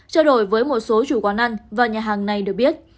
trao đổi với một số chủ quán ăn và nhà hàng này được biết